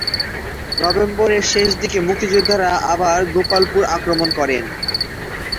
নভেম্বরের শেষ দিকে মুক্তিযোদ্ধারা আবার গোপালপুর আক্রমণ করেন।